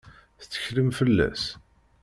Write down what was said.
Tetteklem fell-as?